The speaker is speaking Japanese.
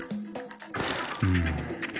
うん。